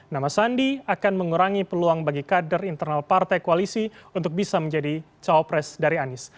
nama sandi akan mengurangi peluang bagi kader internal partai koalisi untuk bisa menjadi cawapres dari anies